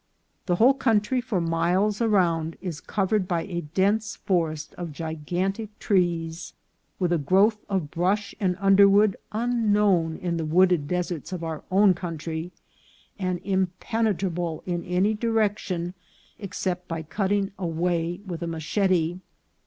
The whole country for miles around is cov OBSTACLES TO EXPLORATION. 305 ered by a dense forest of gigantic trees, with a growth of brush and underwood unknown in the wooded des erts of our own country, and impenetrable in any direc tion except by cutting a way with a machete.